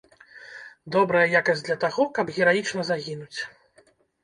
Добрая якасць для таго, каб гераічна загінуць.